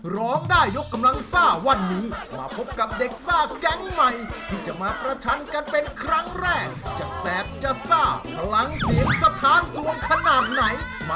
โปรกมือยอยบอกน้อยจะไปใช่ไหม